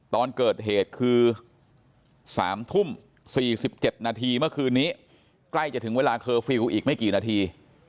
ตอนเกิดเหตุคือ๓ทุ่ม๔๗นาทีเมื่อคืนนี้ใกล้จะถึงเวลาเคอร์ฟิลล์อีกไม่กี่นาที